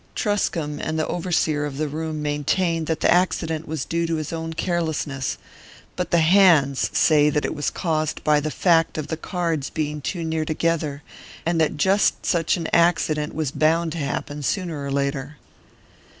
Truscomb and the overseer of the room maintain that the accident was due to his own carelessness; but the hands say that it was caused by the fact of the cards being too near together, and that just such an accident was bound to happen sooner or later."